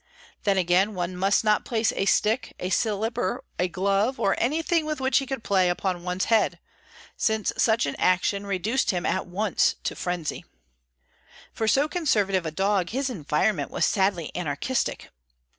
Then again, one must not place a stick, a slipper, a glove, or anything with which he could play, upon one's head—since such an action reduced him at once to frenzy. For so conservative a dog, his environment was sadly anarchistic.